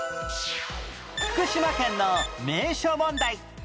福島県の名所問題